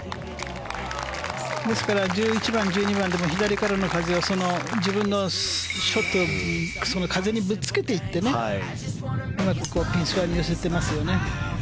ですから、１１番、１２番でも左からの風を自分のショットを風にぶつけていってうまくピンそばに寄せてますよね。